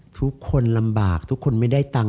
ทุกคนลำบากทุกคนไม่ได้ตังค์